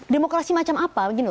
demokrasi macam apa